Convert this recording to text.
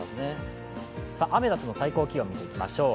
アメダスの最高気温見ていきましょう。